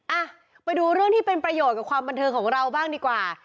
อ่ะไปดูเรื่องที่เป็นประโยชน์กับความบันเทิงของเราบ้างดีกว่า